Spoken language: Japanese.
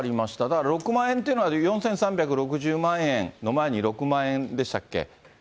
だから６万円というのは、４３６０万円の前に６万円でしたっけ？